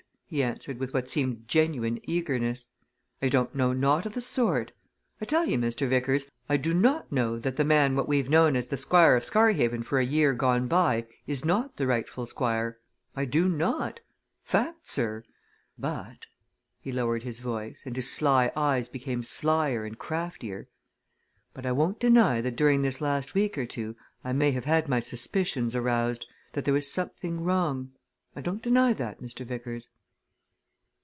he answered, with what seemed genuine eagerness. "I don't know naught of the sort. I tell you, Mr. Vickers, I do not know that the man what we've known as the Squire of Scarhaven for a year gone by is not the rightful Squire I do not! Fact, sir! But" he lowered his voice, and his sly eyes became slyer and craftier "but I won't deny that during this last week or two I may have had my suspicions aroused, that there was something wrong I don't deny that, Mr. Vickers."